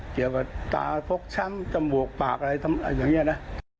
เกี่ยวกับตาพกชั้นจมูกปากอะไรอย่างนี้นะ